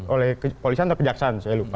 oleh kepolisian atau kejaksaan saya lupa